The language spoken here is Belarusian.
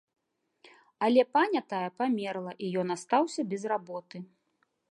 Але паня тая памерла, і ён астаўся без работы.